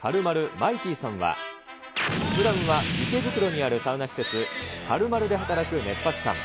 マイティーさんは、ふだんは池袋にあるサウナ施設、かるまるで働く熱波師さん。